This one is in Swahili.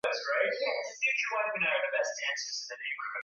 Yule jamaa alimuelekeza Jacob sehemu ya kwenda